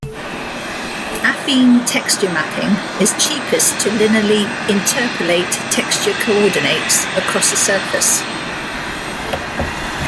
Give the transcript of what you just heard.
Affine texture mapping is cheapest to linearly interpolate texture coordinates across a surface.